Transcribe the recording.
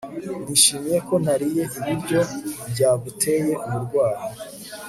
Nishimiye ko ntariye ibiryo byaguteye uburwayi